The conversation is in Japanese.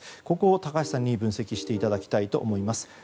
ここを高橋さんに分析していただきたいです。